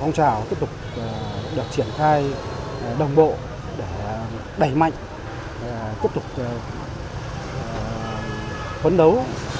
phong trào tiếp tục được triển khai đồng bộ để đẩy mạnh tiếp tục phấn đấu